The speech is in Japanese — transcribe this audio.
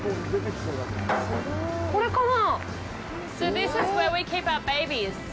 これかな？